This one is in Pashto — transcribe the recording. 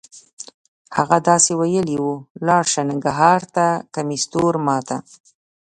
هغه داسې ویلې وه: لاړ شه ننګرهار ته کمیس تور ما ته.